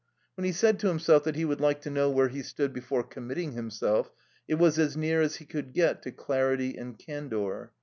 When he said to himself that he would like to know where he stood before committing himself, it was as near as he could get to clarity and candour.